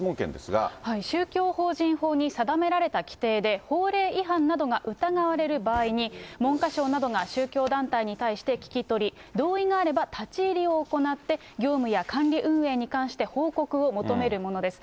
宗教法人法に定められた規定で、法令違反などが疑われる場合に、文科省などが宗教団体などに対して聞き取り、同意があれば立ち入りを行って、業務や管理運営に関して報告を求めるものです。